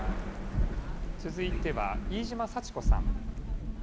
続いては、飯島佐知子さん。